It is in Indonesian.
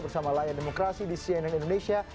bersama layar demokrasi di cnn indonesia